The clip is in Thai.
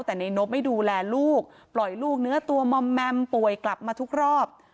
แต่ในนบไม่ดูแลลูกปล่อยลูกเนื้อตัวมอมแมมป่วยกลับมาทุกรอบ